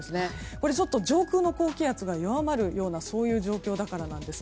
これ、上空の高気圧が弱まるような状況だからです。